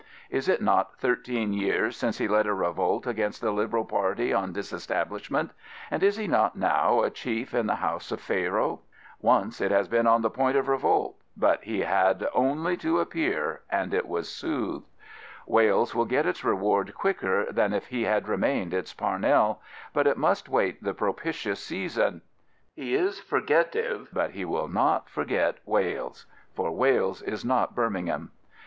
Is it not thirteen years since he led a revolt against the Liberal party on Disestablishment, and is he not now a chief in the house of Pharaoh? Once it has been on the point of revolt; but he had only to 13^ David Lloyd George appear, and it was soothed. Wales will get its reward quicker than if he had remained its Parnell; but it must await the propitious season. He is " forgetiye/' but he will not forget Wales. For Wales is not Birmingham.